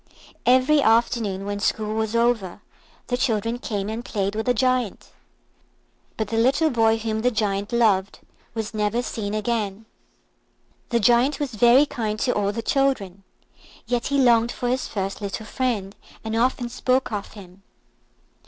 Every afternoon, when school was over, the children came and played with the Giant. But the little boy whom the Giant loved was never seen again. The Giant was very kind to all the children, yet he longed for his first little friend, and often spoke of him.